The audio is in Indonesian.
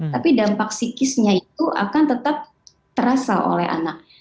tapi dampak psikisnya itu akan tetap terasa oleh anak